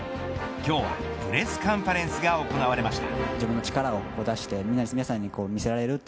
今日はプレスカンファレンスが行われました。